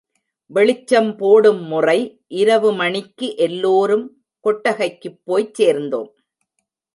வெளிச்சம் போடும் முறை இரவு மணிக்கு எல்லோரும் கொட்டகைக்குப் போய்ச் சேர்ந்தோம்.